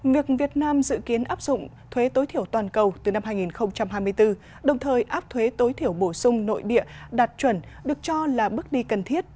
việc việt nam dự kiến áp dụng thuế tối thiểu toàn cầu từ năm hai nghìn hai mươi bốn đồng thời áp thuế tối thiểu bổ sung nội địa đạt chuẩn được cho là bước đi cần thiết